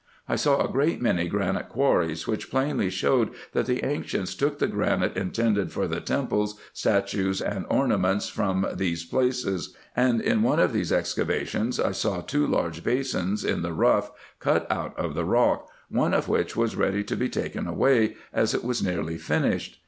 I saw a great many granite quarries, which plainly showed, that the ancients took the granite intended for the temples, statues, and ornaments, from these places ; and in one of these excavations I saw two large basins in the rough cut out of the rock, one of which was ready to be taken away, as it was nearly finished.